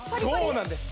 そうなんです